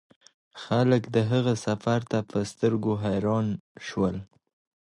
خلک د هغه سفر ته په سترګو حیران شول.